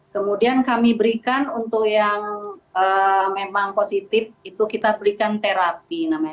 kemudian kami berikan untuk yang memang positif itu kita berikan terapi namanya